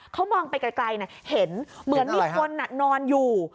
เขามองไปไกลเห็นเหมือนมีคนนอนอยู่